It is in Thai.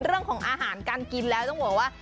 เรื่องของอาหารการกินแล้วต้องบอกว่า